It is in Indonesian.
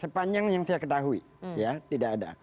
sepanjang yang saya ketahui ya tidak ada